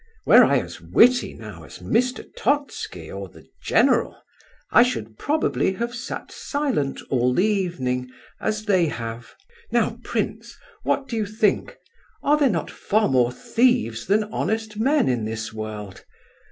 Were I as witty, now, as Mr. Totski or the general, I should probably have sat silent all the evening, as they have. Now, prince, what do you think?—are there not far more thieves than honest men in this world?